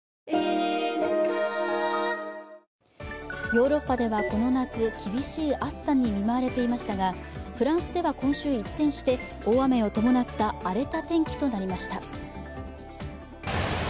ヨーロッパでは、この夏、厳しい暑さに見舞われていましたが、フランスでは今週、一転して大雨を伴った荒れた天気となりました。